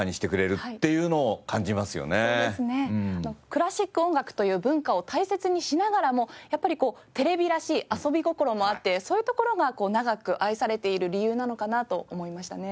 クラシック音楽という文化を大切にしながらもやっぱりテレビらしい遊び心もあってそういうところが長く愛されている理由なのかなと思いましたね。